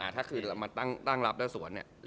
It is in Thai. ถ้าคือมาตั้งรับแล้วสวน